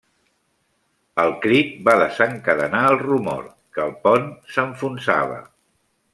El crit va desencadenar el rumor que el pont s'enfonsava.